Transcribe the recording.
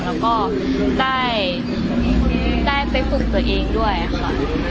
แล้วก็ได้ไปฝึกตัวเองด้วยค่ะ